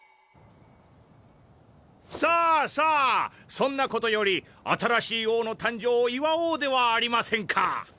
さあさあそんなことより新しい王の誕生を祝おうではありませんか！